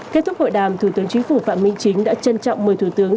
kết thúc hội đàm thủ tướng chính phủ phạm minh chính đã trân trọng mời thủ tướng